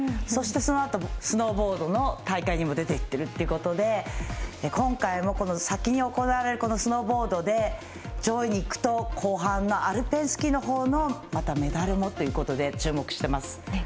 そして、そのあとスノーボードの大会にも出てるということで今回も先に行われるスノーボードで上位に行くと後半のアルペンスキーのメダルもということで注目しています。